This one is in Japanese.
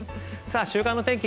週間の天気